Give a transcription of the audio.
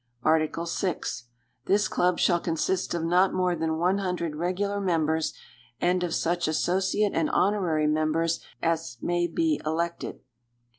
Article VI. This Club shall consist of not more than one hundred regular members, and of such associate and honorary members as may be elected.